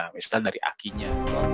misalnya dari akinya